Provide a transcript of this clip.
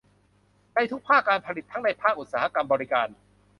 ในทุกภาคการผลิตทั้งในภาคอุตสาหกรรม บริการ